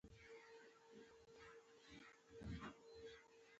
ملي موزیم د دې تاریخ ګواه دی